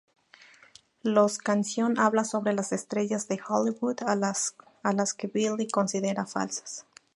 Los canción habla sobre las estrellas de Hollywood a las que Billie considera falsas.